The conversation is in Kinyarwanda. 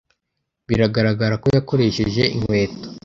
biragaragara ko yakoresheje inkweto